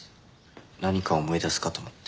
何か思い出すかと思って。